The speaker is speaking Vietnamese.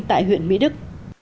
tại huyện mỹ đức